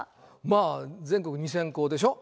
まあ全国２，０００校でしょ。